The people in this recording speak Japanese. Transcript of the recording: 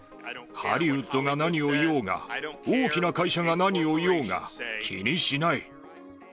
ハリウッドが何を言おうが、大きな会社が何を言おうが、気にしない。